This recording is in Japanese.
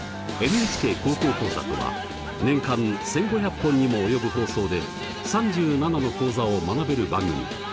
「ＮＨＫ高校講座」とは年間１，５００本にも及ぶ放送で３７の講座を学べる番組。